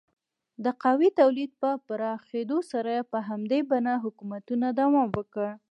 د قهوې تولید په پراخېدو سره یې په همدې بڼه حکومتونو دوام وکړ.